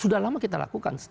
sudah lama kita lakukan